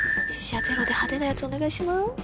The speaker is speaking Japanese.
死者ゼロで派手なやつお願いします。